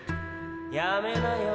やめなよ。